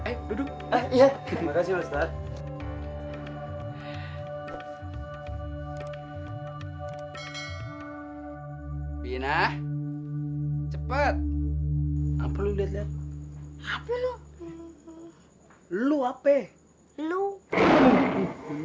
enggak saya yang kekenyangan